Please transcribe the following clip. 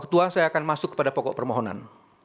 ketua saya akan masuk kepada pokok permohonan